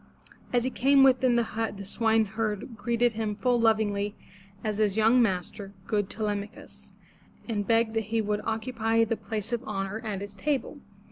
As he came within the hut the swineherd greeted him full lovingly as his young master, good Te lem'a chus, and begged that he would occupy the place of honor at his table.